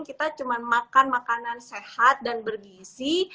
kita cuma makan makanan sehat dan bergisi